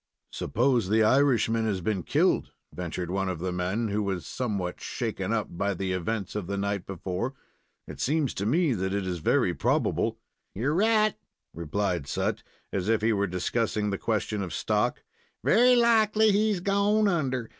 "Suppose the Irishman has been killed?" ventured one of the men, who was somewhat shaken up by the events of the night before. "It seems to me that it is very probable." "You're right," replied Sut, as if he were discussing the question of stock. "Very likely he's gone under.